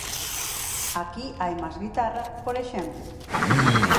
Aquí hai máis guitarra, por exemplo.